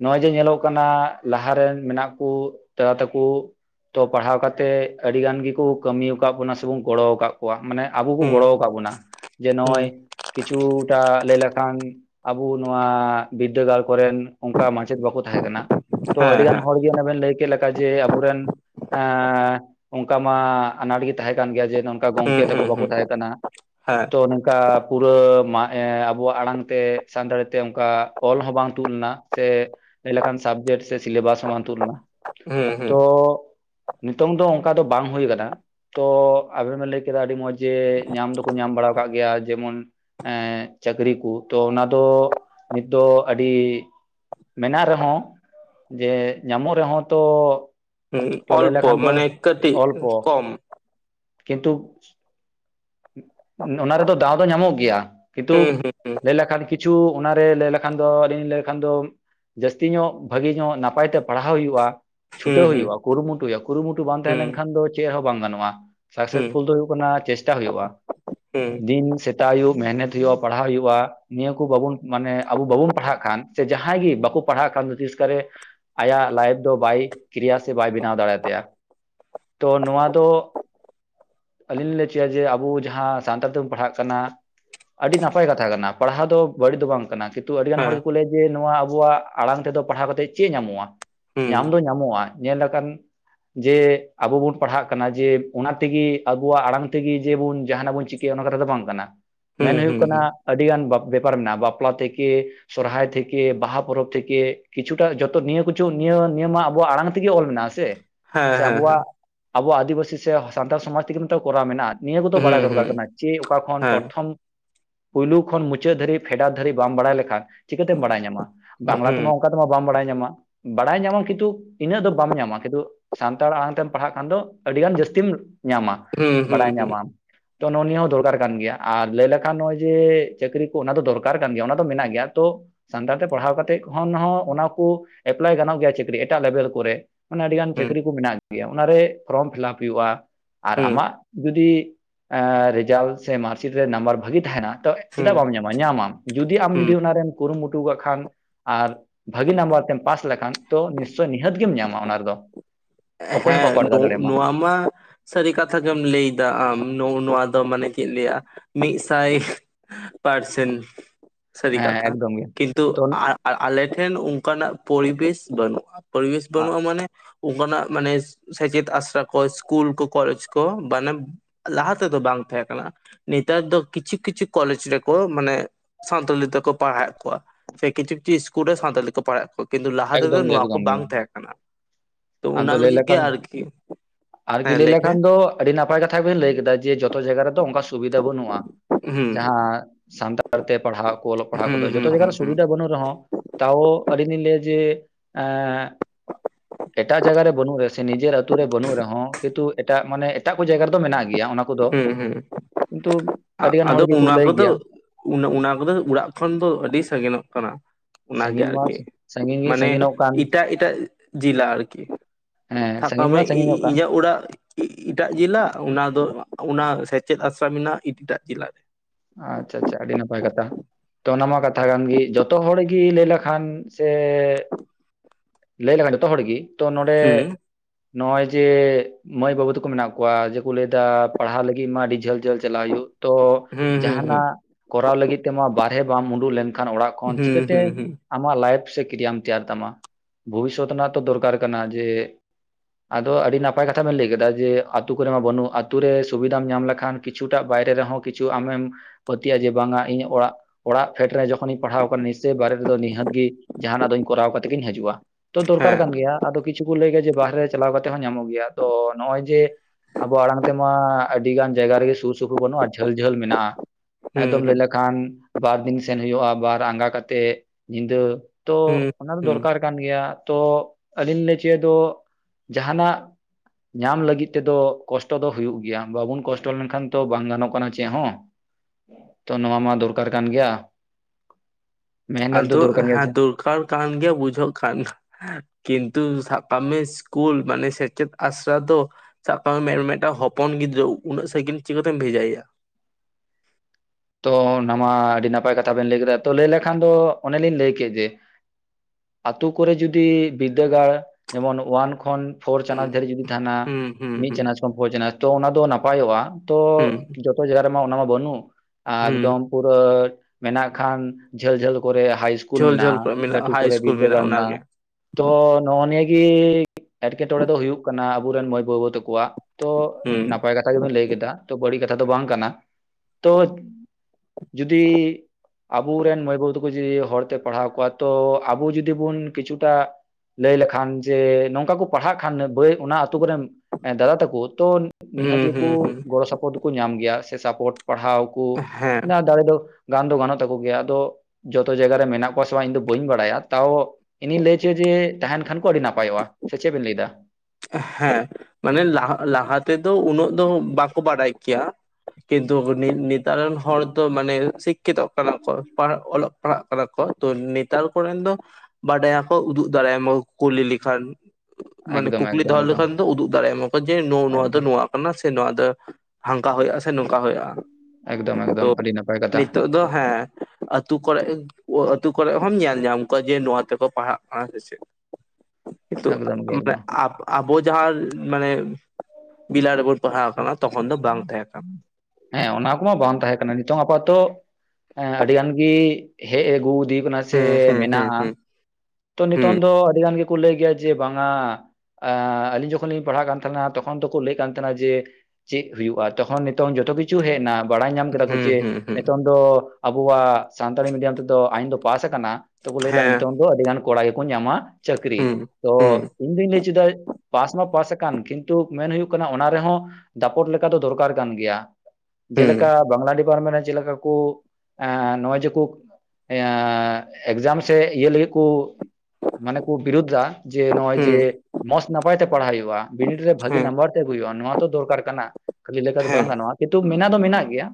ᱱᱚᱜᱼᱚᱭ ᱡᱮ ᱧᱮᱞᱚᱜ ᱠᱟᱱᱟ ᱞᱟᱦᱟ ᱨᱮᱱ ᱢᱮᱱᱟᱜ ᱠᱚ ᱫᱟᱫᱟ ᱛᱟᱠᱚ ᱛᱚ ᱯᱟᱲᱦᱟᱣ ᱠᱟᱛᱮᱫ ᱟᱹᱰᱤ ᱜᱟᱱ ᱜᱮ ᱠᱚ ᱠᱟᱹᱢᱤ ᱟᱠᱟᱫ ᱵᱚᱱᱟ ᱥᱮᱵᱚᱱ ᱜᱚᱲᱚ ᱟᱠᱟᱫ ᱠᱚᱣᱟᱜ ᱢᱟᱱᱮ ᱟᱵᱚ ᱠᱚ ᱦᱮᱸ ᱜᱚᱲᱚ ᱟᱠᱟᱫ ᱵᱚᱱᱟ ᱡᱮ ᱦᱮᱸ ᱱᱚᱜᱼᱚᱭ ᱦᱮᱸ ᱠᱤᱪᱷᱩ ᱴᱟᱜ ᱞᱟᱹᱭ ᱞᱮᱠᱷᱟᱱ ᱟᱵᱚ ᱱᱚᱣᱟ ᱵᱤᱨᱫᱟᱹᱜᱟᱲ ᱠᱚᱨᱮᱱ ᱚᱱᱠᱟ ᱢᱟᱪᱮᱫ ᱵᱟᱠᱚ ᱛᱟᱦᱮᱸ ᱠᱟᱱᱟ, ᱦᱮᱸ ᱛᱚ ᱟᱹᱰᱤ ᱜᱟᱱ ᱦᱚᱲ ᱦᱮᱸ ᱜᱮ ᱚᱱᱟ ᱵᱮᱱ ᱞᱟᱹᱭ ᱪᱮᱫ ᱞᱮᱠᱟ ᱡᱮ ᱟᱵᱚᱨᱮᱱ ᱚᱱᱠᱟ ᱢᱟ ᱟᱱᱟᱴ ᱜᱮ ᱛᱟᱦᱮᱸ ᱠᱟᱱ ᱜᱮᱭᱟ ᱡᱮ, ᱱᱚᱝᱠᱟ ᱱᱝᱠᱟ ᱜᱚᱢᱠᱮ ᱛᱟᱠᱚ ᱦᱮᱸ ᱵᱟᱠᱚ ᱛᱟᱦᱮᱸ ᱠᱟᱱᱟ, ᱛᱚ ᱱᱚᱝᱠᱟ ᱯᱩᱨᱟᱹ ᱢᱟ ᱮ ᱟᱵᱚᱣᱟᱜ ᱟᱲᱟᱝ ᱛᱮ ᱥᱟᱱᱛᱟᱲᱤ ᱛᱮ ᱚᱱᱠᱟ ᱚᱞ ᱦᱚᱸ ᱵᱟᱝ ᱛᱩᱫ ᱞᱮᱱᱟ ᱥᱮ ᱞᱟᱹᱭ ᱞᱮᱠᱟᱱ ᱥᱟᱵᱡᱮᱠᱴ ᱥᱮ ᱥᱤᱞᱮᱵᱟᱥ ᱦᱚᱸ ᱵᱟᱝ ᱛᱩᱫ ᱞᱮᱱᱟ ᱦᱮᱸ ᱦᱮᱸ ᱛᱚ ᱦᱮᱸ ᱱᱤᱛᱚᱝ ᱫᱚ ᱚᱱᱠᱟ ᱫᱚ ᱵᱟᱝ ᱦᱩᱭ ᱟᱠᱟᱱᱟ, ᱛᱚ ᱟᱵᱮᱱ ᱵᱮᱱ ᱞᱟᱹᱭ ᱠᱮᱫᱟ ᱟᱹᱰᱤ ᱢᱚᱸᱡᱽ ᱡᱮ ᱧᱟᱢ ᱫᱚᱠᱚ ᱧᱟᱢ ᱵᱟᱲᱟ ᱟᱠᱟᱜ ᱜᱮᱭᱟ ᱡᱮᱢᱚᱱ ᱮᱜ ᱪᱟᱹᱠᱨᱤ ᱠᱩ ᱛᱚ ᱚᱱᱟ ᱫᱚ ᱱᱤᱛ ᱫᱚ ᱟᱹᱰᱤ ᱢᱮᱱᱟᱜ ᱨᱮᱦᱚᱸ, ᱡᱮ ᱧᱟᱢᱚᱜ ᱨᱮᱦᱚᱸ ᱛᱚ ᱛᱚ ᱞᱟᱹᱭ ᱦᱩᱸᱚᱞᱯᱚ ᱞᱮᱠᱷᱟᱱ ᱫᱚ ᱢᱟᱱᱮ ᱠᱟᱹᱴᱤᱡ ᱚᱞᱯᱚ ᱠᱚᱢ ᱠᱤᱱᱛᱩ, ᱚᱱᱟ ᱨᱮᱫᱚ ᱫᱟᱣ ᱫᱚ ᱧᱟᱢᱚᱜ ᱜᱮᱭᱟ ᱾ ᱠᱤᱱᱛᱩ ᱦᱩᱸ ᱦᱩᱸ ᱞᱟᱹᱭ ᱞᱮᱠᱷᱟᱱ ᱠᱤᱪᱷᱩ ᱚᱱᱟᱨᱮ ᱞᱟᱹᱭ ᱞᱮᱠᱷᱟᱱ ᱫᱚ, ᱟᱹᱞᱤᱧ ᱞᱤᱧ ᱞᱟᱹᱭ ᱞᱮᱠᱷᱟᱱ ᱫᱚᱼᱼ ᱡᱟᱹᱥᱛᱤ ᱧᱚᱜ, ᱵᱷᱟᱹᱜᱤ ᱧᱚᱜ ᱱᱟᱯᱟᱭ ᱛᱮ ᱯᱟᱲᱦᱟᱣ ᱦᱩᱭᱩᱜᱼᱟ ᱾ ᱦᱩᱸ ᱪᱷᱩᱴᱟᱹᱣ ᱦᱩᱸ ᱦᱩᱭᱩᱜᱼᱟ, ᱠᱩᱨᱩᱢᱩᱴᱩ ᱦᱩᱭᱩᱜᱼᱟ ᱠᱩᱨᱩᱢᱩᱴᱩ ᱵᱟᱝ ᱛᱟᱦᱮᱸ ᱦᱩᱸ ᱞᱮᱱᱠᱷᱟᱱ ᱫᱚ ᱪᱮᱫ ᱦᱚᱸ ᱵᱟᱝ ᱜᱟᱱᱚᱜᱼᱟ ᱾ ᱦᱩᱸ ᱥᱟᱠᱥᱮᱥᱯᱷᱩᱞ ᱫᱚ ᱦᱩᱭᱩᱜ ᱠᱟᱱᱟ ᱪᱮᱥᱴᱟ ᱦᱩᱭᱩᱜᱼᱟ ᱦᱩᱸ ᱾ ᱫᱤᱱ ᱥᱮᱛᱟᱜ ᱦᱩᱭᱩᱜ ᱢᱮᱦᱱᱚᱛ ᱦᱩᱭᱩᱜᱼᱟ ᱯᱟᱲᱦᱟᱣ ᱦᱩᱭᱩᱜᱼᱟ ᱾ ᱱᱤᱭᱟᱹ ᱠᱚ ᱵᱟᱵᱚᱱ ᱢᱟᱱᱮ ᱟᱵᱚ ᱵᱟᱵᱚᱱ ᱯᱟᱲᱦᱟᱜ ᱠᱷᱟᱱ, ᱥᱮ ᱡᱟᱦᱟᱸᱭ ᱜᱮ ᱵᱟᱠᱚ ᱯᱟᱲᱦᱟᱜ ᱠᱟᱱ ᱛᱤᱥᱠᱟᱨᱮᱼᱼ ᱟᱭᱟᱜ ᱞᱟᱭᱤᱯᱷ ᱫᱚ ᱵᱟᱭ ᱠᱨᱤᱭᱟ ᱥᱮ ᱵᱟᱭ ᱵᱮᱱᱟᱣ ᱫᱟᱲᱮᱭᱟ ᱛᱟᱭᱟ ᱾ ᱛᱚ ᱱᱚᱣᱟ ᱫᱚ ᱟᱹᱞᱤᱧ ᱞᱤᱼᱼ ᱪᱮᱭᱟᱜ ᱡᱮ ᱟᱵᱚ ᱡᱟᱦᱟᱸ ᱥᱟᱱᱛᱟᱲ ᱛᱮᱵᱚᱱ ᱯᱟᱲᱦᱟᱜ ᱠᱟᱱᱟ ᱾ ᱟᱹᱰᱤ ᱱᱟᱯᱟᱭ ᱠᱟᱛᱷᱟ ᱠᱟᱱᱟ, ᱯᱟᱲᱦᱟᱣ ᱫᱚ ᱵᱟᱹᱲᱤᱡ ᱫᱚ ᱵᱟᱝ ᱠᱟᱱᱟ ᱾ ᱛᱚ ᱟᱹᱰᱤ ᱜᱟᱱ ᱦᱚᱲ ᱦᱮᱸ ᱜᱮᱠᱚ ᱞᱟᱹᱭᱟ ᱡᱮ ᱱᱚᱣᱟ ᱟᱵᱚᱣᱟᱜ ᱟᱲᱟᱝ ᱛᱮᱫᱚ ᱯᱟᱲᱦᱟᱣ ᱠᱟᱛᱮᱫ ᱪᱮᱫ ᱧᱟᱢᱚᱜᱼᱟ ᱦᱩᱸ ᱧᱟᱢ ᱫᱚ ᱧᱟᱢᱚᱜᱼᱟ ᱾ ᱧᱮᱞ ᱟᱠᱟᱱ, ᱡᱮ ᱟᱵᱚ ᱵᱚᱱ ᱯᱟᱲᱦᱟᱜ ᱠᱟᱱᱟ ᱡᱮ ᱚᱱᱟ ᱛᱮᱜᱮ ᱟᱵᱚᱣᱟᱜ ᱟᱲᱟᱝᱼᱼ ᱛᱮᱜᱮ ᱡᱮᱵᱚᱱ ᱡᱟᱦᱟ ᱱᱟᱜ ᱵᱚᱱ ᱪᱤᱠᱟᱹᱭᱟ ᱚᱱᱟ ᱠᱟᱛᱷᱟ ᱫᱚ ᱵᱟᱝ ᱠᱟᱱᱟ ᱾ ᱦᱩᱸ ᱢᱮᱱ ᱦᱩᱭᱩᱜ ᱦᱩᱸ ᱦᱩᱸ ᱠᱟᱱᱟᱼᱼ ᱟᱹᱰᱤ ᱜᱟᱱ ᱵᱮᱯᱟᱨ ᱢᱮᱱᱟᱜᱼᱟ ᱵᱟᱯᱞᱟ ᱛᱷᱮᱠᱮᱼᱼ ᱥᱚᱨᱦᱟᱭ ᱛᱷᱮᱠᱮ, ᱵᱟᱦᱟ ᱯᱚᱨᱽ ᱛᱷᱮᱠᱮ, ᱠᱤᱪᱷᱩᱴᱟ ᱡᱚᱛᱚ ᱱᱤᱭᱟᱹ ᱠᱤᱪᱷᱩ ᱱᱤᱭᱟᱹ ᱱᱤᱭᱟᱹ ᱢᱟ ᱟᱵᱚᱣᱟᱜ ᱟᱲᱟᱝᱼᱼ ᱛᱮᱜᱮ ᱚᱞ ᱢᱮᱱᱟᱜᱼᱟ ᱥᱮ, ᱦᱮᱸ ᱥᱮ ᱦᱮᱸ ᱦᱮᱸ ᱟᱵᱚᱣᱟᱜ, ᱟᱵᱚᱣᱟᱜ ᱟᱹᱫᱤᱵᱟᱹᱥᱤ ᱥᱮ ᱥᱟᱱᱛᱟᱲ ᱥᱚᱢᱟᱡᱽ ᱛᱮᱜᱮ ᱠᱚᱨᱟᱣ ᱢᱮᱱᱟᱜᱼᱟ ᱾ ᱱᱤᱭᱟᱹ ᱠᱚᱫᱚ ᱵᱟᱲᱟᱭ ᱦᱩᱸ ᱫᱚᱨᱠᱟᱨ ᱦᱩᱸ ᱠᱟᱱᱟ, ᱪᱮ ᱚᱠᱟ ᱠᱷᱚᱱ ᱦᱮᱸ ᱯᱚᱛᱷᱚᱢᱼᱼ ᱯᱩᱭᱞᱳ ᱠᱷᱚᱱ ᱢᱩᱪᱟᱹᱫ ᱫᱷᱟᱹᱨᱤᱡ ᱯᱷᱮᱰᱟᱛ ᱫᱷᱟᱹᱨᱤᱡ ᱵᱟᱢ ᱵᱟᱲᱟᱭ ᱞᱮᱠᱷᱟᱱ ᱪᱤᱠᱟᱹᱛᱮᱢ ᱵᱟᱲᱟᱭ ᱧᱟᱢᱟ ᱾ ᱵᱟᱝᱞᱟ ᱛᱮᱢᱟᱼᱼ ᱦᱩᱸ ᱵᱟᱢ ᱵᱟᱲᱟᱭ ᱧᱟᱢᱟ, ᱵᱟᱲᱟᱭ ᱧᱟᱢᱟ ᱠᱤᱱᱛᱩ ᱤᱱᱟᱹᱜ ᱫᱚ ᱵᱟᱢ ᱧᱟᱢᱟ ᱾ ᱠᱤᱱᱛᱩᱼᱼ ᱥᱟᱱᱛᱟᱲ ᱟᱲᱟᱝ ᱛᱮᱢ ᱯᱟᱲᱦᱟᱜ ᱠᱷᱟᱱ ᱫᱚ ᱟᱹᱰᱤ ᱜᱟᱱ ᱡᱟᱹᱥᱛᱤᱢ ᱧᱟᱢᱟ ᱦᱩᱸ ᱦᱩᱸ ᱵᱟᱲᱟᱭ ᱦᱩᱸ ᱧᱟᱢᱟᱢ ᱾ ᱛᱚ ᱱᱚᱜᱼᱚ ᱱᱤᱭᱟᱹ ᱦᱚᱸ ᱫᱚᱨᱠᱟᱨ ᱠᱟᱱ ᱜᱮᱭᱟ, ᱟᱨ ᱞᱟᱹᱭ ᱞᱮᱠᱷᱟᱱ ᱱᱚᱜᱼᱚᱭ ᱡᱮ ᱪᱟᱹᱠᱨᱤ ᱠᱚ ᱚᱱᱟ ᱫᱚ ᱫᱚᱨᱠᱟᱨ ᱠᱟᱱ ᱜᱮᱭᱟ ᱚᱱᱟ ᱫᱚ ᱢᱮᱱᱟᱜ ᱜᱮᱭᱟ ᱛᱚ ᱾ ᱥᱟᱱᱛᱟᱲ ᱛᱮ ᱯᱟᱲᱦᱟᱣ ᱠᱟᱛᱮᱫ ᱠᱷᱚᱱ ᱦᱚᱸ ᱚᱱᱟ ᱠᱚ ᱮᱯᱞᱟᱭ ᱜᱟᱱᱚᱜ ᱜᱮᱭᱟ ᱪᱟᱹᱠᱨᱤ ᱮᱴᱟᱜ ᱞᱮᱵᱮᱞ ᱠᱚᱨᱮ ᱾ ᱢᱟᱱᱮ ᱟᱹᱰᱤ ᱜᱟᱱ ᱦᱩᱸ ᱪᱟᱹᱠᱨᱤ ᱠᱚ ᱢᱮᱱᱟᱜ ᱜᱮᱭᱟ ᱚᱱᱟᱨᱮ ᱯᱷᱨᱚᱢ ᱯᱷᱤᱞᱟᱯ ᱦᱩᱭᱩᱜᱼᱟ, ᱟᱨ ᱦᱩᱸ ᱟᱢᱟᱜᱼᱼ ᱡᱩᱫᱤ ᱨᱮᱡᱟᱞ ᱥᱮ ᱢᱟᱨᱠᱥᱤᱴ ᱨᱮ ᱱᱟᱢᱵᱟᱨ ᱵᱷᱟᱹᱜᱤ ᱛᱟᱦᱮᱱᱟ ᱾ ᱛᱚ ᱦᱩᱸ ᱪᱮᱫᱟᱜ ᱵᱟᱢ ᱧᱟᱢᱟ ᱧᱟᱢᱟᱢ ᱡᱩᱫᱤ ᱟᱢ ᱦᱩᱸ ᱡᱩᱫᱤ ᱚᱱᱟ ᱨᱮᱢᱼᱼ ᱠᱩᱨᱩᱢᱩᱴᱩ ᱠᱟᱜ ᱠᱷᱟᱱ, ᱟᱨ ᱵᱷᱟᱹᱜᱤ ᱱᱟᱢᱵᱟᱨ ᱛᱮᱢ ᱯᱟᱥ ᱞᱮᱠᱷᱟᱱᱼᱼ ᱛᱚ ᱱᱤᱥᱪᱳᱭ ᱱᱤᱦᱟᱹᱛ ᱜᱮᱢ ᱧᱟᱢᱟ ᱚᱱᱟ ᱨᱮᱫᱚ ᱾ ᱦᱮᱸ ᱫᱩᱜ ᱱᱚᱣᱟ ᱢᱟᱼᱼ ᱥᱟᱹᱨᱤ ᱠᱟᱛᱷᱟ ᱜᱮᱢ ᱞᱟᱹᱭᱫᱟ ᱟᱢ ᱱᱚ ᱱᱚᱣᱟ ᱫᱚ ᱢᱟᱱᱮ ᱪᱮᱫ ᱤᱧ ᱞᱟᱹᱭᱟ ᱢᱤᱫ ᱥᱟᱭᱼᱼ ᱯᱟᱨᱥᱮᱱ ᱥᱟᱹᱨᱤ ᱦᱮᱸ ᱠᱟᱛᱷᱟ ᱮᱠᱫᱚᱢ ᱜᱮ ᱾ ᱠᱤᱱᱛᱩ ᱛᱚ ᱟᱨᱼᱼ ᱟᱨ ᱟᱞᱮᱴᱷᱮᱱ ᱚᱱᱠᱟᱱᱟᱜ ᱯᱚᱨᱤᱵᱮᱥ ᱵᱟᱹᱱᱩᱜᱼᱟ, ᱯᱚᱨᱤᱵᱮᱥ ᱵᱟᱹᱱᱩᱜᱼᱟ ᱢᱟᱱᱮ ᱚᱱᱠᱟ ᱱᱟᱜᱼᱼ ᱢᱟᱱᱮ ᱥᱮᱪᱮᱫ ᱟᱥᱲᱟ ᱠᱚ ᱥᱤᱥᱠᱩᱞ ᱠᱚ ᱠᱚᱞᱮᱡᱽ ᱠᱚ ᱵᱟᱱᱮᱵᱼᱼ ᱞᱟᱦᱟ ᱛᱮᱫᱚ ᱵᱟᱝ ᱛᱟᱦᱮᱸ ᱠᱟᱱᱟ ᱱᱮᱛᱟᱨ ᱫᱚ ᱠᱤᱪᱷᱩ ᱠᱤᱪᱷᱩ ᱠᱚᱞᱮᱡᱽ ᱨᱮᱠᱚ ᱢᱟᱱᱮ ᱥᱟᱱᱛᱟᱞᱤ ᱛᱮᱠᱚ ᱯᱟᱲᱦᱟᱣᱮᱫ ᱠᱚᱣᱟ ᱥᱮ ᱠᱤᱪᱷᱩ ᱠᱤᱪᱷᱩ ᱥᱤᱥᱠᱩᱞ ᱨᱮ ᱥᱟᱱᱛᱟᱞᱤ ᱛᱮ ᱠᱚ ᱯᱟᱲᱦᱟᱣᱮᱫ ᱠᱚᱣᱟ ᱾ ᱠᱤᱱᱛᱩ ᱞᱟᱦᱟ ᱛᱮᱫᱚ ᱮᱠᱫᱚᱢ ᱜᱮ ᱱᱚᱣᱟ ᱠᱚ ᱮᱠᱫᱚᱢ ᱜᱮ ᱵᱟᱝ ᱛᱟᱦᱮᱸ ᱠᱟᱱᱟ, ᱛᱚ ᱚᱱᱟ ᱟᱫᱚ ᱞᱟᱹᱭ ᱞᱟᱹᱜᱤᱫ ᱜᱮ ᱞᱮᱠᱷᱟᱱ ᱟᱨᱠᱤ [unintelligible] ᱟᱨᱠᱤ ᱦᱮᱸ ᱞᱟᱹᱭ ᱢᱮ ᱞᱮᱠᱷᱟᱱ ᱫᱚ ᱟᱹᱰᱤ ᱱᱟᱯᱟᱭ ᱠᱟᱛᱷᱟ ᱵᱮᱤᱱ ᱞᱟᱹᱭ ᱠᱮᱫᱟ ᱡᱮ ᱡᱚᱛᱚ ᱡᱟᱭᱜᱟ ᱨᱮᱫᱚ ᱚᱱᱠᱟ ᱥᱩᱵᱤᱫᱷᱟ ᱵᱟᱹᱱᱩᱜᱼᱟ ᱾ ᱦᱩᱸ ᱡᱟᱦᱟᱸ ᱥᱟᱱᱛᱟᱲ ᱥᱟᱢᱛᱟᱲ ᱯᱟᱲᱦᱟᱜ ᱚᱞᱚᱜ ᱯᱟᱲᱦᱟᱜ ᱦᱩᱸ ᱠᱚᱫᱚ ᱡᱚᱛᱚ ᱦᱩᱸ ᱡᱟᱭᱟᱨ ᱦᱩᱸ ᱨᱮ ᱦᱩᱸ ᱥᱩᱵᱤᱫᱷᱟ ᱵᱟᱹᱱᱩᱜ ᱨᱮᱦᱚᱸᱛᱟᱣ ᱟᱹᱞᱤᱧᱤᱧ ᱞᱟᱹᱭ ᱡᱮ ᱮᱸ ᱮᱴᱟᱜ ᱡᱟᱜᱟ ᱨᱮ ᱵᱟᱹᱱᱩᱜ ᱨᱮᱥᱮ ᱱᱤᱡᱮᱨ ᱟᱛᱳ ᱨᱮ ᱵᱟᱹᱱᱩᱜ ᱨᱮᱦᱚᱸ ᱠᱤᱱᱛᱩ ᱮᱴᱟᱜ ᱢᱟᱱᱮ ᱮᱴᱟᱜ ᱠᱚ ᱡᱟᱭᱜᱟ ᱨᱮᱫᱚ ᱢᱮᱱᱟᱜ ᱜᱮᱭᱟ, ᱚᱱᱟ ᱠᱚᱫᱚ ᱦᱩᱸ ᱦᱩᱸ ᱠᱤᱱᱛᱩ ᱟᱹᱰᱤ ᱜᱟᱱ ᱦᱚᱲ ᱟᱫᱚ ᱜᱮᱠᱚ ᱚᱱᱟ ᱞᱟᱹᱭ ᱠᱚᱫᱚ ᱜᱮᱭᱟ ᱾ ᱚᱱᱟ ᱠᱚᱫᱚ ᱚᱲᱟᱜ ᱠᱷᱚᱱ ᱫᱚ ᱟᱹᱰᱤ ᱥᱟᱜᱤᱱᱚᱜ ᱠᱟᱱᱟ᱾ ᱚᱱᱟᱜᱮ ᱥᱟᱺᱜᱤᱧ ᱢᱟ ᱟᱨᱠᱤ ᱥᱟᱺᱜᱤᱧ ᱜᱮ ᱢᱟᱱᱮ ᱥᱟᱺᱜᱤᱧᱚᱜ ᱠᱟᱱ ᱮᱴᱟᱜ ᱮᱴᱟᱜ ᱡᱮᱤᱞᱟ ᱟᱨᱠᱤ ᱾ ᱦᱮᱸ ᱥᱟᱵ ᱠᱟᱜ ᱥᱟᱺᱜᱤᱧ ᱢᱮ ᱢᱟ ᱥᱟᱺᱜᱤᱧᱚᱜ ᱠᱟᱱ ᱤᱧᱟᱹᱜ ᱚᱲᱟᱜ ᱮᱴᱟᱜ ᱡᱮᱞᱟ ᱚᱱᱟ ᱫᱚ ᱚᱱᱟ ᱥᱮᱪᱮᱫ ᱟᱥᱲᱟ ᱢᱮᱱᱟᱜᱼᱟ ᱮᱴᱟᱜ ᱡᱮᱞᱟ ᱨᱮ᱾ ᱟᱪᱪᱷᱟ ᱟᱪᱪᱷᱟ ᱟᱹᱰᱤ ᱱᱟᱯᱟᱭ ᱠᱟᱛᱷᱟ ᱾ ᱛᱚ ᱚᱱᱟ ᱢᱟ ᱠᱟᱛᱷᱟ ᱠᱟᱱ ᱜᱮ ᱡᱚᱛᱚ ᱦᱚᱲ ᱜᱮ ᱞᱟᱹᱭ ᱞᱮᱠᱷᱟᱱ ᱥᱮ ᱞᱟᱹᱭ ᱞᱮᱠᱷᱟᱱ ᱡᱚᱛᱚ ᱦᱚᱲᱜᱮ ᱛᱚ ᱱᱚᱰᱮ ᱦᱩᱸ ᱱᱚᱜᱼᱚᱭ ᱡᱮ ᱢᱟᱹᱭ ᱵᱟᱹᱵᱩ ᱛᱟᱠᱚ ᱢᱮᱱᱟᱜ ᱠᱚᱣᱟ ᱡᱮᱠᱚ ᱞᱟᱹᱭ ᱮᱫᱟ ᱯᱟᱲᱦᱟᱜ ᱞᱟᱹᱜᱤᱫ ᱢᱟ ᱟᱹᱰᱤ ᱡᱷᱟᱹᱞ ᱡᱷᱟᱹᱞ ᱪᱟᱞᱟᱜ ᱦᱳᱭᱳᱜ ᱛᱚ ᱦᱩᱸ ᱦᱩᱸ ᱡᱟᱦᱟ ᱦᱩᱸ ᱱᱟᱜ ᱠᱚᱨᱟᱣ ᱞᱟᱹᱜᱤᱫ ᱛᱮᱢᱟ ᱵᱟᱦᱨᱮ ᱵᱟᱢ ᱩᱰᱩᱠ ᱞᱮᱱᱠᱷᱟᱱ ᱚᱲᱟᱜ ᱠᱷᱚᱱ ᱦᱩᱸ ᱪᱤᱠᱟᱹᱛᱮ ᱦᱩᱸ ᱦᱩᱸ ᱟᱢᱟᱜ ᱞᱟᱭᱤᱯᱷ ᱥᱮ ᱠᱨᱤᱭᱟᱢ ᱛᱮᱭᱟᱨ ᱛᱟᱢᱟ ᱵᱷᱚᱵᱤᱥᱚᱛ ᱨᱮᱱᱟᱜ ᱛᱚ ᱫᱚᱨᱠᱟᱨ ᱠᱟᱱᱟ ᱡᱮ ᱟᱫᱚ ᱟᱹᱰᱤ ᱱᱟᱯᱟᱭ ᱠᱟᱛᱷᱟ ᱵᱮᱱ ᱞᱟᱹᱭ ᱠᱮᱫᱟ ᱡᱮ ᱟᱛᱳ ᱠᱚᱨᱮ ᱢᱟ ᱵᱟᱹᱱᱩᱜ ᱟᱛᱳ ᱨᱮ ᱥᱩᱵᱤᱫᱷᱟᱢ ᱧᱟᱢ ᱞᱮᱠᱷᱟᱱ ᱠᱤᱪᱷᱩᱴᱟ ᱵᱟᱭᱨᱮ ᱨᱮᱦᱚᱸ ᱠᱪᱩ ᱟᱢᱮᱢ ᱯᱟᱹᱛᱭᱟᱹᱜᱼᱟ ᱡᱮ ᱵᱟᱝᱟ ᱤᱧᱟᱹᱜ ᱚᱲᱟᱜ ᱚᱲᱟᱜ ᱯᱷᱮᱰ ᱨᱮ ᱡᱚᱠᱷᱚᱱᱤᱧ ᱯᱟᱲᱦᱟᱣ ᱟᱠᱟᱱᱟ ᱱᱤᱥᱪᱚᱭ ᱵᱟᱨᱮ ᱨᱮᱫᱚ ᱱᱤᱦᱟᱹᱛ ᱜᱮ ᱡᱟᱦᱟᱱᱟᱜ ᱫᱚᱧ ᱠᱚᱨᱟᱣ ᱠᱟᱛᱮᱫ ᱜᱤᱧ ᱦᱮᱡᱩᱜ-ᱟ ᱾ ᱛᱚ ᱫᱚᱨᱠᱟᱨ ᱦᱮᱸ ᱠᱟᱱ ᱜᱮᱭᱟ ᱟᱫᱚ ᱠᱤᱪᱷᱩ ᱠᱚ ᱞᱟᱹᱭ ᱜᱮᱭᱟ ᱡᱮ ᱵᱟᱦᱨᱮ ᱪᱟᱞᱟᱣ ᱠᱟᱛᱮᱜ ᱦᱚᱸ ᱧᱟᱢᱚᱜ ᱜᱮᱭᱟ, ᱛᱚ ᱱᱚᱜᱼᱚᱭ ᱡᱮ ᱟᱵᱚ ᱟᱲᱟᱝ ᱛᱮᱢᱟ ᱟᱹᱰᱤ ᱜᱟᱱ ᱡᱟᱭᱜᱟ ᱨᱮᱜᱮ ᱥᱩᱨ ᱥᱩᱯᱩᱨ ᱵᱟᱹᱱᱩᱜᱼᱟ ᱡᱷᱟᱹᱞ ᱡᱷᱟᱹᱞ ᱢᱮᱱᱟᱜᱼᱟ ᱾ ᱦᱩᱸ ᱮᱠᱫᱚᱢ ᱞᱟᱹᱭ ᱦᱩᱸ ᱞᱮᱠᱷᱟᱱ ᱵᱟᱨ ᱫᱤᱱ ᱥᱮᱱ ᱦᱩᱭᱩᱜᱼᱟ ᱵᱟᱨ ᱟᱸᱜᱟ ᱠᱟᱛᱮᱫ ᱧᱤᱫᱟᱹ ᱛᱚ ᱦᱩᱸ ᱚᱱᱟ ᱫᱚ ᱦᱩᱸ ᱫᱚᱨᱠᱟᱨ ᱠᱟᱱ ᱜᱮᱭᱟ ᱛᱚ ᱟᱹᱞᱤᱧ ᱞᱟᱹᱭ ᱦᱚᱪᱚᱭ ᱫᱚ ᱡᱟᱦᱟᱱᱟᱜ ᱧᱟᱢ ᱞᱟᱹᱜᱤᱫ ᱛᱮᱫᱚ ᱠᱚᱥᱴᱚ ᱫᱚ ᱦᱩᱭᱩᱜ ᱜᱮᱭᱟ ᱵᱟᱵᱚᱱ ᱠᱚᱥᱴᱚ ᱞᱮᱱᱠᱷᱟᱱ ᱛᱚ ᱵᱟᱝ ᱜᱟᱱᱚᱜ ᱠᱟᱱᱟ ᱪᱮᱫ ᱦᱚᱸ ᱛᱚ ᱱᱚᱣᱟ ᱢᱟ ᱫᱚᱨᱠᱟᱨ ᱠᱟᱱ ᱜᱮᱭᱟ ᱢᱮᱦᱱᱚᱛ ᱫᱚ ᱫᱚᱨᱠᱟᱨ ᱜᱮᱭᱟ ᱥᱮ ᱾ ᱫᱚᱠᱟᱨ ᱠᱟᱱ ᱜᱮᱭᱟ ᱵᱩᱡᱷᱟᱹᱜ ᱠᱟᱱ, ᱠᱤᱱᱛᱩ ᱥᱟᱵ ᱠᱟᱜ ᱢᱮ ᱤᱥᱠᱩᱞ ᱢᱟᱱᱮ ᱥᱮᱪᱮᱫ ᱟᱥᱲᱟ ᱫᱚ ᱥᱟᱵ ᱠᱟᱜ ᱢᱮ ᱢᱤᱫᱴᱟᱝ ᱦᱚᱯᱚᱱ ᱜᱤᱫᱽᱨᱟᱹ ᱩᱱᱟᱹᱜ ᱥᱟᱜᱤᱱ ᱪᱤᱠᱟᱹᱛᱮᱢ ᱵᱷᱮᱡᱟᱭᱮᱭᱟ ᱾ ᱛᱚ ᱚᱱᱟ ᱢᱟ ᱟᱹᱰᱤ ᱱᱟᱯᱟᱭ ᱠᱟᱛᱷᱟ ᱵᱤᱱ ᱞᱟᱹᱭ ᱠᱮᱫᱟ ᱛᱚ ᱞᱟᱹᱭ ᱞᱮᱠᱷᱟᱱ ᱫᱚ ᱚᱱᱮ ᱞᱤᱧ ᱞᱟᱹᱭ ᱠᱮᱫ ᱡᱮ ᱟᱹᱛᱩ ᱠᱚᱨᱮ ᱡᱩᱚᱫᱤ ᱵᱽᱫᱟᱹᱜᱟᱲ ᱡᱮᱢᱚᱱ ᱳᱣᱟᱱ ᱠᱷᱚᱱ ᱯᱷᱳᱨ ᱦᱩᱸ ᱪᱟᱱᱟᱪ ᱫᱷᱟᱹᱨᱤᱡ ᱡᱩᱫᱤ ᱛᱟᱦᱮᱱᱟ ᱦᱩᱸ ᱦᱩᱸ ᱾ ᱢᱤᱫ ᱦᱩᱸ ᱪᱟᱱᱟᱪ ᱠᱷᱚᱱ ᱯᱷᱳᱨ ᱪᱟᱱᱟᱪ ᱛᱚ ᱚᱱᱟᱫᱚ ᱱᱟᱯᱟᱭᱚᱜᱼᱟ ᱛᱚ ᱦᱩᱸ ᱡᱚᱛᱚ ᱡᱟᱭᱜᱟ ᱨᱮᱢᱟ ᱚᱱᱟᱢᱟ ᱵᱟᱹᱱᱩᱜ ᱾ ᱦᱩᱸ [unintelligible] ᱯᱩᱨᱟᱹ ᱢᱮᱱᱟᱜ ᱠᱷᱟᱱ ᱡᱷᱟᱹᱞ ᱡᱷᱟᱹᱞ ᱠᱚᱨᱮ ᱦᱟᱭ ᱤᱥᱠᱩᱞ ᱡᱷᱟᱹᱞ ᱡᱷᱟᱹᱞ ᱢᱮᱱᱟᱜᱼᱟ ᱠᱚᱨᱮ ᱞᱟᱹᱴᱩ ᱦᱟᱭ ᱠᱚᱨᱮ ᱤᱥᱠᱩᱞ ᱵᱤᱫᱽᱫᱟᱹᱜᱟᱲ ᱢᱮᱱᱟᱜᱼᱟ ᱚᱱᱟᱜᱮ ᱾ ᱛᱚ ᱱᱚᱜᱼᱚ ᱱᱤᱭᱟᱹ ᱜᱮᱤ ᱮᱴᱠᱮᱴᱚᱲᱮ ᱫᱚ ᱦᱩᱭᱩᱜ ᱠᱟᱱᱟ ᱟᱵᱚᱨᱮᱱ ᱢᱟᱹᱭ ᱵᱟᱹᱵᱩ ᱛᱟᱠᱚᱣᱟᱜ ᱾ ᱛᱚ ᱦᱩᱸ ᱱᱟᱯᱟᱭ ᱠᱟᱛᱷᱟ ᱜᱮᱵᱮᱱ ᱞᱟᱹᱭ ᱠᱮᱫᱟ ᱛᱚ ᱵᱟᱹᱲᱤᱡ ᱠᱟᱛᱷᱟ ᱫᱚ ᱵᱟᱝ ᱠᱟᱱᱟ, ᱛᱚ ᱡᱩᱫᱤ ᱟᱵᱚᱨᱮᱱ ᱢᱟᱹᱭ ᱵᱟᱹᱵᱩ ᱛᱟᱠᱚ ᱡᱩᱫᱤ ᱦᱚᱲᱛᱮ ᱯᱟᱲᱦᱟᱣ ᱠᱚᱣᱟ ᱛᱚ ᱟᱵᱚ ᱡᱩᱫᱤ ᱵᱚᱱ ᱠᱤᱪᱷᱩᱴᱟ ᱞᱟᱹᱭ ᱞᱮᱠᱷᱟᱱ ᱡᱮ ᱱᱚᱝᱠᱟ ᱠᱚ ᱯᱟᱲᱦᱟᱜ ᱠᱷᱟᱱ ᱚᱱᱟ ᱟᱹᱛᱩ ᱠᱚᱨᱮᱱ ᱫᱟᱫᱟ ᱛᱟᱠᱚ ᱛᱚ ᱱᱤᱦᱟᱹᱛ ᱦᱩᱸ ᱦᱩᱸ ᱜᱮᱠᱚ ᱦᱩᱸ ᱜᱚᱲᱚ ᱥᱚᱯᱚᱦᱚᱫ ᱫᱚᱠᱚ ᱧᱟᱢ ᱜᱮᱭᱟ ᱥᱮ ᱥᱟᱯᱳᱚᱴ ᱯᱟᱲᱦᱟᱣ ᱠᱚ, ᱦᱮᱸ ᱚᱱᱟ ᱫᱟᱲᱮ ᱫᱚ ᱜᱟᱱ ᱫᱚ ᱜᱟᱱᱚᱜ ᱛᱟᱠᱚ ᱜᱮᱭᱟ, ᱟᱫᱚ ᱡᱚᱛᱚ ᱡᱟᱭᱜᱟ ᱨᱮ ᱢᱮᱱᱟᱜ ᱠᱚᱣᱟ ᱥᱮ ᱵᱟᱝ ᱤᱧ ᱫᱚ ᱵᱟᱹᱧ ᱵᱟᱲᱟᱭᱟ, ᱛᱟᱣ ᱤᱧᱤᱧ ᱞᱟᱹᱭ ᱚᱪᱚᱭᱟ ᱡᱮ ᱛᱟᱦᱮᱱ ᱠᱷᱟᱱ ᱠᱚ ᱟᱹᱰᱤ ᱱᱟᱯᱟᱭᱚᱜᱼᱟ ᱥᱮ ᱪᱮᱫ ᱵᱮᱱ ᱞᱟᱹᱭ ᱫᱟ ᱦᱮᱸ ᱢᱟᱱᱮ ᱞᱟᱦᱟ ᱞᱟᱦᱟ ᱛᱮᱫᱚ ᱩᱱᱟᱹᱜ ᱫᱚ ᱵᱟᱠᱚ ᱵᱟᱰᱟᱭ ᱠᱮᱭᱟ ᱠᱤᱱᱛᱩ ᱱᱮᱛᱟᱨᱮᱱ ᱦᱚᱲ ᱫᱚ ᱢᱟᱱᱮ ᱥᱤᱠᱠᱷᱤᱛᱚᱜ ᱠᱟᱱᱟ ᱠᱚ ᱯᱟᱲᱦᱟᱜ ᱚᱞᱚᱜ ᱯᱟᱲᱦᱟᱜ ᱠᱟᱱᱟ ᱠᱚ ᱛᱚ ᱱᱮᱛᱟᱨ ᱠᱚᱨᱮᱱ ᱫᱚᱼᱼ ᱵᱟᱰᱟᱭᱟ ᱠᱚ ᱩᱫᱩᱜ ᱫᱟᱲᱮᱭ ᱟᱢᱟ ᱠᱚ ᱠᱩᱞᱤ ᱞᱮᱠᱷᱟᱱ ᱢᱟᱱᱮᱼᱼ ᱮᱠᱫᱚᱢ ᱠᱩᱠᱞᱤ ᱮᱠᱫᱚᱢ ᱫᱚᱦᱚ ᱮᱠᱫᱚᱢ ᱞᱮᱠᱷᱟᱱ ᱫᱚ ᱩᱫᱩᱜ ᱫᱟᱲᱮᱭᱟ ᱢᱟᱠᱚ ᱡᱮ ᱱᱚᱣᱟ ᱫᱚ ᱮᱠᱫᱚᱢ ᱱᱚᱣᱟ ᱠᱟᱱᱟ ᱥᱮ ᱱᱚᱣᱟ ᱫᱚ ᱦᱟᱝᱠᱟ ᱦᱩᱭᱩᱜᱼᱟ ᱥᱮ ᱱᱚᱝᱠᱟ ᱦᱩᱭᱩᱜᱼᱟ ᱮᱠᱫᱚᱢ ᱛᱚ ᱮᱠᱫᱚᱢ ᱟᱹᱰᱤ ᱱᱟᱯᱟᱭ ᱠᱟᱛᱷᱟ ᱱᱤᱛᱚᱜ ᱫᱚ ᱦᱮᱸ ᱟᱹᱛᱩ ᱠᱚᱨᱮᱜ ᱟᱹᱛᱩ ᱠᱚᱨᱮᱜ ᱦᱚᱢ ᱧᱮᱞ ᱧᱟᱢ ᱠᱚᱣᱟ ᱡᱮ ᱱᱚᱣᱟ ᱛᱮᱠᱚ ᱯᱟᱲᱦᱟᱜ ᱠᱟᱱᱟ ᱥᱮ ᱪᱮᱫ ᱮᱠᱫᱚᱢ ᱜᱮ ᱮᱠᱫᱚᱢ [unintelligible] ᱟᱵᱚ ᱟᱵᱚ ᱡᱟᱦᱟᱸ ᱢᱟᱱᱮ ᱵᱮᱞᱟ ᱨᱮᱵᱚᱱ ᱯᱟᱲᱦᱟᱣ ᱟᱠᱟᱱᱟ ᱦᱮᱸ ᱚᱱᱟ ᱠᱚᱢᱟ ᱵᱟᱝ ᱛᱟᱦᱮᱸ ᱠᱟᱱᱟ ᱱᱤᱛᱚᱝ ᱟᱯᱟᱛᱚ ᱦᱮᱸ ᱟᱹᱰᱤ ᱜᱟᱱ ᱜᱤ ᱦᱮᱜ ᱟᱜᱩ ᱫᱤᱯᱼᱼ [unintelligible] ᱥᱮ ᱦᱩᱸ ᱦᱩᱸ ᱦᱩᱸ ᱢᱮᱱᱟᱜᱼᱟ ᱛᱚ ᱦᱩᱸ ᱱᱤᱛᱚᱝ ᱫᱚ ᱟᱹᱰᱤ ᱜᱟᱱ ᱜᱮ ᱞᱟᱹᱭ ᱜᱮᱭᱟ ᱡᱮ ᱵᱟᱝᱟ ᱟᱹᱞᱤᱧ ᱡᱚᱠᱷᱚᱱ ᱞᱤᱧ ᱯᱟᱲᱦᱟᱜ ᱠᱟᱱ ᱛᱟᱦᱮᱱᱟ ᱛᱚᱠᱷᱚᱱ ᱫᱚᱠᱚ ᱞᱟᱹᱭᱮᱫ ᱠᱟᱱ ᱛᱟᱦᱮᱱᱟ ᱡᱮ, ᱪᱮᱫ ᱦᱩᱭᱩᱜᱼᱟ ᱛᱚᱠᱷᱚᱱ ᱱᱤᱛᱚᱝ ᱡᱚᱛᱚ ᱠᱤᱪᱷᱩ ᱦᱮᱡ ᱮᱱᱟ ᱵᱟᱲᱟᱭ ᱧᱟᱢ ᱠᱮᱫᱟ ᱠᱚ ᱡᱮ ᱦᱩᱸ ᱦᱩᱸ ᱦᱩᱸ ᱦᱩᱸ ᱱᱤᱛᱚᱝ ᱫᱚ ᱟᱵᱚᱣᱟᱜ ᱥᱟᱱᱛᱟᱲᱤ ᱢᱤᱰᱤᱭᱟᱢ ᱛᱮᱫᱚ ᱟᱭᱤᱱ ᱫᱚ ᱯᱟᱥ ᱟᱠᱟᱱᱟ ᱛᱚᱠᱚ ᱞᱟᱹᱭ ᱮᱫᱟ ᱱᱤᱛᱚᱝ ᱦᱮᱸ ᱛᱚ ᱟᱹᱰᱤ ᱜᱟᱱ ᱠᱚᱲᱟ ᱜᱮᱠᱚ ᱧᱟᱢᱟ ᱪᱟᱹᱠᱨᱤ ᱛᱚᱼᱼ ᱤᱧ ᱫᱩᱧ ᱞᱟᱹᱭ ᱦᱚᱪᱚᱭ ᱫᱟ ᱯᱟᱥ ᱢᱟ ᱯᱟᱥ ᱟᱠᱟᱱ ᱠᱤᱱᱛᱩ ᱢᱮᱱ ᱦᱩᱭᱩᱜ ᱠᱟᱱᱟ ᱚᱱᱟ ᱨᱮᱦᱚᱸᱼᱼ ᱫᱟᱯᱚᱴ ᱞᱮᱠᱟ ᱫᱚ ᱫᱚᱨᱠᱟᱨ ᱠᱟᱱ ᱜᱮᱭᱟ ᱡᱮᱞᱮᱠᱟᱼᱼ ᱵᱟᱝᱞᱟ ᱰᱤᱯᱟᱨᱢᱮᱱᱴ ᱨᱮ ᱪᱮᱫ ᱞᱮᱠᱟ ᱠᱚ ᱮᱸ ᱱᱚᱜᱼᱚᱭ ᱡᱮᱠᱚ ᱮ ᱮᱠᱡᱟᱢ ᱥᱮ ᱤᱭᱟᱹ ᱞᱟᱹᱜᱤᱫ ᱠᱚ ᱢᱟᱱᱮ ᱠᱚ ᱵᱤᱨᱩᱫᱟ ᱡᱮ ᱦᱩᱸ ᱦᱩᱸ ᱱᱚᱜᱼᱚᱭ ᱡᱮ ᱦᱩᱸ ᱢᱚᱸᱡᱽ ᱱᱟᱯᱟᱭ ᱛᱮ ᱯᱟᱲᱦᱟᱣ ᱦᱩᱭᱩᱜᱼᱟ ᱵᱤᱱᱤᱰ ᱨᱮ ᱦᱩᱸ ᱵᱷᱟᱹᱜᱤ ᱦᱮᱸ ᱱᱟᱢᱵᱟᱨ ᱛᱮ ᱟᱹᱜᱩᱭ ᱦᱩᱭᱩᱜᱼᱟ ᱱᱚᱣᱟ ᱛᱚ ᱫᱚᱨᱠᱟᱨ ᱠᱟᱱᱟ ᱠᱷᱟᱹᱞᱤ ᱞᱮᱠᱟ ᱫᱚ ᱦᱮᱸ ᱵᱟᱝ ᱜᱟᱱᱚᱜᱼᱟ ᱠᱤᱱᱛᱩ ᱢᱮᱱᱟᱜ ᱫᱚ ᱢᱮᱱᱟᱜ ᱜᱮᱭᱟ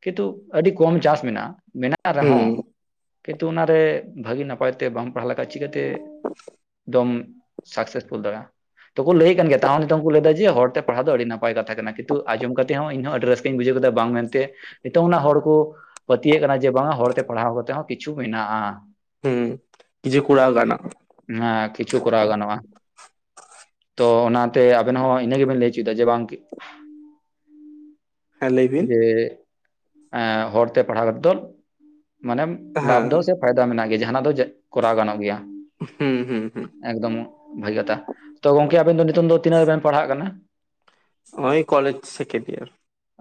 ᱠᱤᱱᱛᱩ ᱟᱹᱰᱤ ᱠᱚᱢ ᱪᱟᱥ ᱢᱮᱱᱟᱜᱼᱟ ᱢᱮᱱᱟᱜ ᱨᱮ ᱦᱚᱸ ᱦᱩᱸ ᱠᱤᱱᱛᱩ ᱚᱱᱟ ᱨᱮ ᱵᱷᱟᱹᱜᱤ ᱱᱟᱯᱟᱭ ᱛᱮ ᱵᱟᱝ ᱛᱟᱦᱟᱞᱮ ᱠᱷᱟᱡ ᱪᱤᱠᱟᱹ ᱛᱮ ᱫᱚᱢᱼᱼ ᱥᱟᱠᱥᱮᱥᱯᱷᱩᱞ ᱫᱟᱲᱟ ᱛᱩᱵᱩ ᱞᱟᱹᱭ ᱮᱫ ᱠᱟᱱ ᱜᱮᱭᱟ ᱛᱟᱣ ᱦᱚᱸ ᱱᱤᱛᱚᱝ ᱠᱚ ᱞᱟᱹᱭᱫᱟ ᱡᱮ ᱦᱚᱲᱛᱮ ᱯᱟᱲᱦᱟᱣ ᱫᱚ ᱟᱹᱰᱤ ᱱᱟᱯᱟᱭ ᱱᱟᱯᱟᱭ ᱠᱟᱛᱷᱟ ᱠᱟᱱᱟ ᱠᱤᱱᱛᱩ ᱟᱸᱡᱚᱢ ᱠᱟᱛᱮ ᱦᱚᱸ ᱤᱧᱦᱚᱸ ᱟᱹᱰᱤ ᱨᱟᱹᱥᱠᱟᱹᱧ ᱵᱩᱡᱷᱟᱹᱣ ᱠᱮᱫᱟ ᱵᱟᱝ ᱢᱮᱱᱛᱮ ᱱᱤᱛᱚᱝ ᱨᱮᱱᱟᱜ ᱦᱚᱲ ᱠᱚ ᱯᱟᱹᱛᱭᱟᱹᱜ ᱠᱟᱱᱟ ᱡᱮ ᱵᱟᱝᱟ ᱦᱚᱲᱛᱮ ᱯᱟᱲᱦᱟᱣ ᱠᱟᱛᱮᱜ ᱦᱚᱸ ᱠᱤᱪᱷᱩ ᱢᱮᱱᱟᱜᱼᱟ ᱦᱩᱸ ᱠᱤᱪᱷᱩ ᱠᱚᱲᱟ [unintelligible] ᱦᱟᱸ ᱠᱤᱪᱷᱩ ᱠᱚᱨᱟᱣ ᱜᱟᱱᱚᱜᱼᱟ ᱛᱚ ᱚᱱᱟ ᱛᱮ ᱟᱵᱮᱱ ᱦᱚᱸ ᱤᱱᱟᱹ ᱜᱮ ᱵᱮᱱ ᱞᱟᱹᱭ ᱚᱪᱚᱭ ᱮᱫᱟ ᱡᱮ ᱵᱟᱝ ᱦᱮᱸ ᱞᱟᱹᱭ ᱵᱤᱱ ᱡᱮ ᱦᱮᱸ ᱦᱚᱲ ᱛᱮ ᱯᱟᱲᱦᱟᱣᱛᱮᱫ ᱫᱚ ᱢᱟᱱᱮᱢ ᱞᱟᱵᱷ ᱦᱮᱸ ᱫᱚ ᱥᱮ ᱯᱷᱟᱭᱫᱟ ᱢᱮᱱᱟᱜ ᱜᱮᱭᱟ ᱡᱟᱦᱟᱸᱱᱟᱜ ᱫᱚ ᱪᱮᱫ ᱠᱚᱨᱟᱣ ᱜᱟᱱᱚᱜ ᱜᱮᱭᱟ ᱦᱩᱸ ᱦᱩᱸ ᱦᱩᱸ ᱮᱠᱫᱚᱢ ᱵᱷᱟᱹᱜᱤ ᱠᱟᱛᱷᱟ ᱛᱚ ᱜᱚᱢᱠᱮ ᱟᱵᱮᱱ ᱫᱚ ᱱᱤᱛᱚᱝ ᱫᱚ ᱛᱤᱱᱟᱹᱜ ᱨᱮᱵᱮᱱ ᱯᱟᱲᱦᱟᱜ ᱠᱟᱱᱟ? ᱦᱚᱸᱼᱚᱭ ᱠᱚᱞᱮᱡᱽ ᱥᱮᱠᱮᱱᱰ ᱤᱭᱟᱨ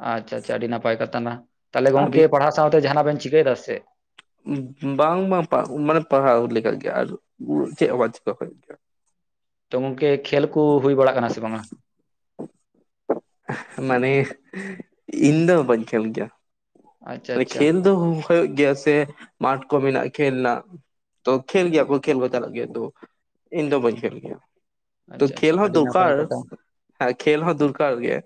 ᱟᱪᱪᱷᱟ ᱟᱪᱪᱷᱟ ᱟᱹᱰᱤ ᱱᱟᱯᱟᱭ ᱠᱟᱛᱷᱟ ᱠᱟᱱᱟ ᱛᱟᱦᱚᱞᱮ ᱜᱚᱝᱠᱮ ᱟᱹᱵᱤᱱ ᱯᱟᱲᱦᱟᱣ ᱥᱟᱶ ᱛᱮ ᱡᱟᱦᱟᱱᱟᱜ ᱵᱮᱱ ᱪᱤᱠᱟᱹᱭ ᱮᱫᱟ ᱥᱮ? ᱵᱟᱝ ᱵᱟᱝ ᱩᱱᱟᱹ ᱯᱟᱲᱦᱟᱣ ᱞᱮᱠᱟ ᱜᱮ ᱟᱨ ᱪᱮᱫ ᱦᱚᱸ ᱪᱤᱠᱟᱹ ᱦᱩᱭᱩᱜ ᱜᱮᱭᱟ ᱛᱚ ᱜᱚᱝᱠᱮ ᱠᱷᱮᱞ ᱠᱚ ᱦᱩᱭ ᱵᱟᱲᱟᱜ ᱠᱟᱱᱟ ᱥᱮ ᱵᱟᱝᱟ? ᱢᱟᱱᱮ ᱤᱧ ᱫᱚ ᱵᱟᱹᱧ ᱠᱷᱮᱞ ᱠᱮᱜᱼᱟ ᱟᱪᱪᱷᱟ ᱢᱟᱱᱮ ᱟᱪᱪᱷᱟ ᱠᱷᱮᱞ ᱫᱚ ᱦᱩᱭᱩᱜ ᱜᱮᱭᱟ ᱥᱮ ᱢᱟᱴᱷ ᱠᱚ ᱢᱮᱱᱟᱜᱼᱟ ᱠᱷᱮᱞ ᱨᱮᱱᱟᱜ ᱛᱚ ᱠᱷᱮᱞ ᱜᱮᱭᱟ ᱠᱚ ᱠᱷᱮᱞ ᱠᱚ ᱪᱟᱞᱟᱜ ᱜᱮᱭᱟ ᱛᱚ ᱤᱧ ᱫᱚ ᱵᱟᱹᱧ ᱠᱷᱮᱞ ᱜᱮᱭᱟ ᱛᱚ ᱟᱪᱪᱷᱟ ᱠᱷᱮᱞ ᱟᱪᱪᱷᱟ ᱦᱚᱸ ᱟᱹᱰᱤ ᱱᱟᱯᱟᱭ ᱫᱚᱨᱠᱟᱨ ᱠᱟᱛᱷᱟ ᱦᱮᱸ ᱠᱷᱮᱞ ᱦᱚᱸ ᱫᱚᱨᱠᱟᱨ ᱜᱮ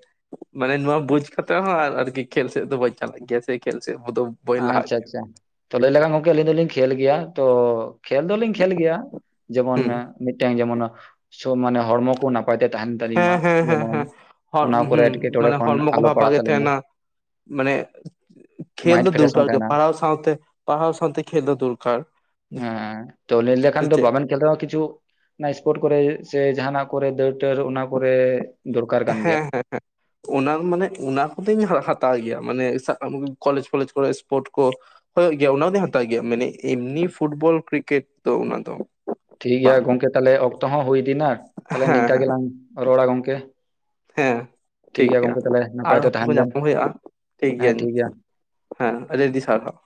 ᱢᱟᱱᱮ ᱱᱚᱣᱟ ᱵᱩᱡᱽ ᱠᱟᱛᱮ ᱦᱚᱸ ᱟᱨᱠᱤ ᱠᱷᱮᱞ ᱥᱮᱫ ᱫᱚ ᱵᱟᱹᱧ ᱪᱟᱞᱟᱜ ᱜᱮᱭᱟ [unintelligible] ᱠᱷᱮᱞ ᱥᱮ ᱦᱚᱸ ᱫᱚᱼᱼ ᱟᱻᱪᱪᱷᱟ ᱟᱪᱪᱷᱟ, ᱛᱚ, ᱞᱟᱹᱭ ᱞᱮᱠᱷᱟᱡ ᱜᱚᱢᱠᱮ, ᱟᱹᱞᱤᱧ ᱫᱚᱞᱤᱧ ᱠᱷᱮᱞ ᱜᱮᱭᱟ, ᱛᱚ, ᱠᱷᱮᱞ ᱫᱚᱞᱤᱧ ᱠᱷᱹᱮᱞ ᱜᱮᱭᱟ, ᱜᱮᱭᱟ ᱡᱮᱢᱚᱱ ᱦᱩᱸ ᱢᱤᱫᱴᱮᱱ, ᱡᱮᱢᱚᱱ ᱥᱚᱦ ᱢᱟᱱᱮ, ᱦᱚᱲᱢᱚ ᱠᱚ, ᱱᱟᱯᱟᱭ [unintelligible] ᱛᱟᱦᱮᱸᱱ ᱛᱟᱹᱞᱤᱧ ᱦᱮᱸ ᱢᱟ, ᱦᱮᱸ ᱦᱮᱸ ᱡᱮᱢᱚᱱ ᱦᱮᱸ ᱦᱚᱲ ᱚᱱᱟ ᱠᱚᱨᱮ, ᱦᱩᱸ ᱮᱸᱴᱠᱮᱴᱚᱬᱮ ᱢᱟᱱᱮ ᱠᱷᱚᱱ, ᱦᱚᱲᱢᱚ ᱠᱚ ᱟᱞᱚ ᱵᱷᱟ ᱯᱟᱲᱟᱜ ᱵᱷᱟᱜᱮ ᱛᱟᱹᱞᱤᱧ ᱢᱟ ᱛᱟᱦᱮᱱᱟ ᱢᱟᱱᱮ, ᱠᱷᱮᱞ ᱢᱟᱭᱤᱱᱰ ᱫᱚ ᱯᱷᱨᱮᱥ ᱦᱚᱸ ᱫᱚᱨᱠᱟᱨ ᱜᱮ, ᱛᱟᱦᱮᱱᱟ ᱯᱟᱲᱦᱟᱣ ᱥᱟᱶᱛᱮ, ᱯᱟᱲᱦᱟᱣ ᱥᱟᱶᱛᱮ ᱠᱷᱮᱞ ᱫᱚ, ᱫᱚᱨᱠᱟᱨ ᱦᱮᱸᱻ, ᱛᱚ, ᱞᱟᱹᱭ ᱞᱮᱠᱷᱟᱱ ᱥᱮ ᱫᱚ, ᱪᱮᱫ ᱵᱟᱵᱮᱱ ᱠᱷᱮᱞ ᱛᱮᱦᱚᱸᱠᱤᱪᱷᱩ, ᱤᱥᱯᱳᱨᱴ ᱠᱚᱨᱮ, ᱥᱮ, ᱡᱟᱦᱟᱸᱱᱟᱜ ᱠᱚᱨᱮ, ᱫᱟᱹᱲ ᱴᱟᱹᱨ, ᱚᱱᱟ ᱠᱚᱨᱮ ᱫᱚᱨᱠᱟᱨ ᱠᱟᱱ ᱜᱮᱭᱟ ᱦᱮᱸᱻ ᱦᱮᱸᱻ ᱦᱮᱸ ᱾ ᱚᱱᱟ ᱢᱟᱱᱮ, ᱚᱱᱟ ᱠᱚᱫᱚᱧ, ᱦᱟᱛᱟᱣ ᱜᱮᱭᱟ, ᱢᱟᱱᱮ, [unintelligible] ᱠᱚᱞᱮᱡᱽ ᱯᱷᱞᱮᱡᱽ ᱠᱚᱨᱮ, ᱤᱥᱯᱳᱨᱴ ᱠᱚ ᱦᱳᱭᱳᱜ ᱜᱮᱭᱟ, ᱚᱱᱟ ᱫᱚᱧ ᱦᱟᱛᱟᱣ ᱜᱮᱭᱟ, ᱢᱟᱱᱮ, ᱮᱢᱱᱤ ᱯᱷᱩᱴᱵᱚᱞ ᱠᱨᱤᱠᱮᱴ ᱫᱚ, ᱚᱱᱟ ᱫᱚ ᱴᱷᱤᱠ ᱜᱮᱭᱟ ᱵᱟᱝ ᱜᱚᱝᱠᱮ, ᱛᱟᱦᱞᱮ ᱚᱠᱛᱚ ᱦᱚᱸ, ᱦᱩᱭ ᱤᱫᱤ ᱮᱱᱟ, ᱛᱟᱦᱞᱮ, ᱦᱮᱸ ᱱᱤᱝᱠᱟ ᱜᱮᱞᱟᱝ, ᱨᱚᱲᱟ ᱜᱚᱝᱠᱮ ᱾ ᱦᱮᱸᱼ, ᱴᱷᱤᱠ ᱜᱮᱭᱟ, ᱟᱨ ᱦᱚᱸ ᱛᱟᱦᱮᱱ ᱵᱚ ᱵᱮᱱ ᱧᱟᱯᱟᱢ ᱦᱩᱭᱩᱜᱼᱟ, ᱴᱷᱤᱠ ᱜᱮᱭᱟ ᱾ ᱦᱮᱸᱼ, ᱟᱹᱰᱤ ᱟᱹᱰᱤ, ᱥᱟᱨᱦᱟᱣ ᱾